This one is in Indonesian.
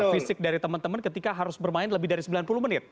fisik dari teman teman ketika harus bermain lebih dari sembilan puluh menit